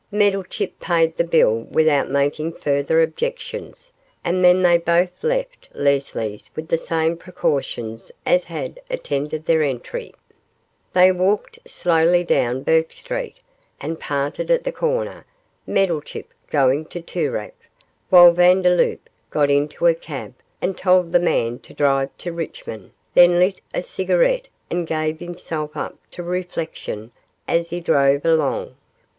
Meddlechip paid the bill without making further objections, and then they both left Leslie's with the same precautions as had attended their entry. They walked slowly down Bourke Street, and parted at the corner, Meddlechip going to Toorak, while Vandeloup got into a cab and told the man to drive to Richmond, then lit a cigarette and gave himself up to reflection as he drove along.